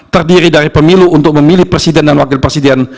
terdiri dari pemilu untuk memilih presiden dan wakil presiden